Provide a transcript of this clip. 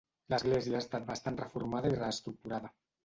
L'església ha estat bastant reformada i reestructurada.